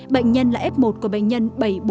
bệnh nhân là f một của bệnh nhân bảy trăm bốn mươi